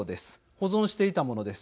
保存していたものです。